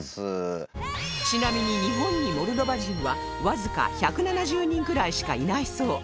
ちなみに日本にモルドバ人はわずか１７０人くらいしかいないそう